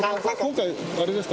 今回、あれですか？